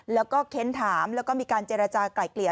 แล้วก็เค้นถามแล้วก็มีการเจรจากลายเกลี่ย